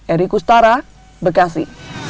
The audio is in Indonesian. eri kustara bekasi